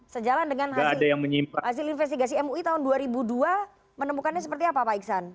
sejalan dengan hasil investigasi mui tahun dua ribu dua menemukannya seperti apa pak iksan